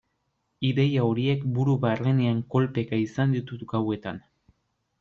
Ideia horiek buru barrenean kolpeka izan ditut gauetan.